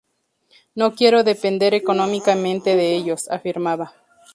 No quiero depender económicamente de ellos", afirmaba.